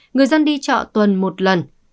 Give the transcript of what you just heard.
người dân đi chợ tuần một lần